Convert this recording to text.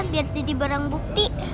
biar jadi barang bukti